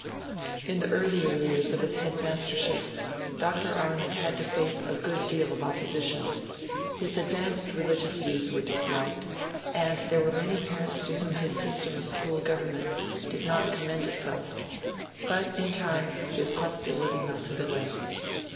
In the earlier years of his headmastership Dr. Arnold had to face a good deal of opposition. His advanced religious views were disliked, and there were many parents to whom his system of school government did not commend itself. But in time this hostility melted away.